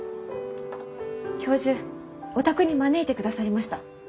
教授お宅に招いてくださりました。